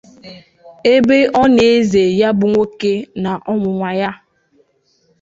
ebe ọ na-ezè ya bụ nwoke na ọnwụnwa ya.